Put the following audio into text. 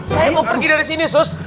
saya mau pergi dari sini sus